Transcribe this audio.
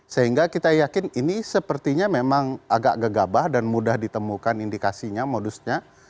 sehingga kita yakin ini sepertinya memang agak gegabah dan mudah ditemukan indikasinya modusnya